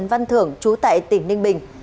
trần văn thường trú tại tỉnh ninh bình